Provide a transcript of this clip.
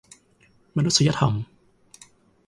มนุษยธรรม ?